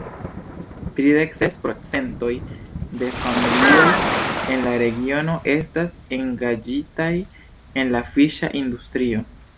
Tridek ses procentoj de familioj en la regiono estas engaĝitaj en la fiŝa industrio.